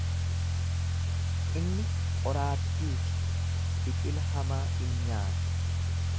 Inni qoraattii fi biqila hamaa in nyaata.